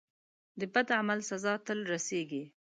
د بد عمل سزا تل رسیږي.